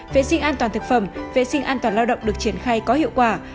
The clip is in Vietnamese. vệ sinh an toàn thực phẩm vệ sinh an toàn lao động được triển khai có hiệu quả